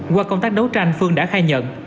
qua công tác đấu tranh phương đã khai nhận